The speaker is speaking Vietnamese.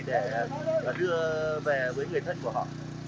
để đưa về với người thân của họ